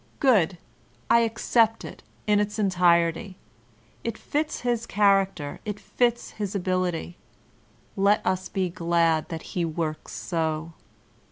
Good! I acceot it in its entirety. It fits his character, it fits his ability. Let us be glad that he works so.